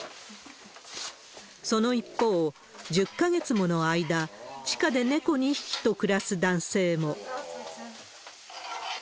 その一方、１０か月もの間、地下で猫２匹と暮らす男性も。